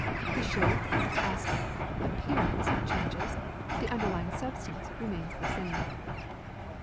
The shape, aspect, appearance, changes; the underlying substance remains the same.